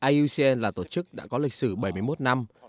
iuc là tổ chức đã có lịch sử bảy mươi một năm